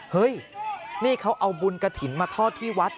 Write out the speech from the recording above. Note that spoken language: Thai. เฮ้ยนี่เขาเอาบุญกระถิ่นมาทอดที่วัด